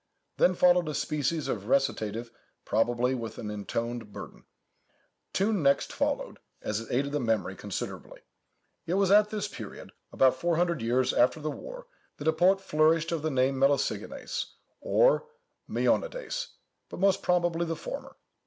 Then followed a species of recitative, probably with an intoned burden. Tune next followed, as it aided the memory considerably. "It was at this period, about four hundred years after the war, that a poet flourished of the name of Melesigenes, or Mœonides, but most probably the former.